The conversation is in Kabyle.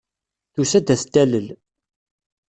Tusa-d ad t-talel.